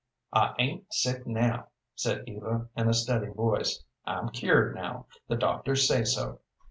"I ain't sick now," said Eva, in a steady voice. "I'm cured now. The doctors say so.